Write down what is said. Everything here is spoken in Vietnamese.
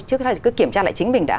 trước đó thì cứ kiểm tra lại chính mình đã